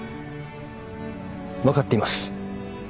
分かっています。